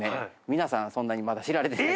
皆さんそんなにまだ知られてない。